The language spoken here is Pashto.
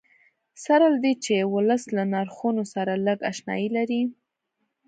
سره له دې چې ولس له نرخونو سره لږ اشنایي لري.